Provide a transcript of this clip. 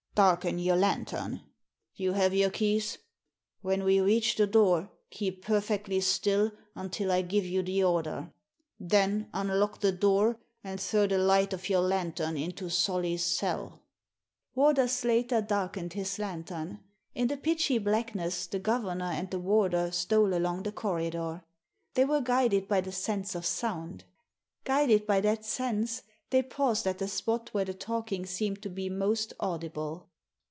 "Darken your lantern. You have your keys? When we reach the door keep perfectly still until I give you the order. Then unlock the. door and throw the light of your lantern into Solly's cell." ' Warder Slater darkened his lantern. In the pitchy blackness the governor and the warder stole along the corridor. They were guided by the sense of sound. Guided by that sense, they paused at the spot where the talking seemed to be most audible.